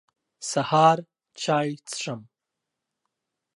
سهار چاي څښم.